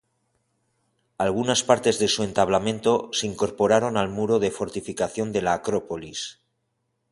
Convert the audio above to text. Algunas partes de su entablamento se incorporaron al muro de fortificación de la Acrópolis.